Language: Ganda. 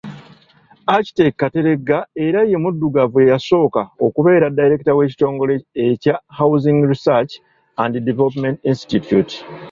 Architect Kateregga era ye muddugavu eyasooka okubeera Ddayirekita w’ekitongole ekya Housing Research & Development Institute.